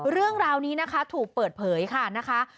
เรื่องราวนี้นะคะถูกเปิดเผยค่ะนะคะ